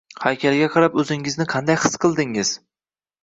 Haykalga qarab o'zingizni qanday his qildingiz?